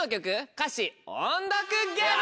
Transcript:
歌詞音読ゲーム！